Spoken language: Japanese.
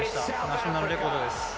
ナショナルレコードです。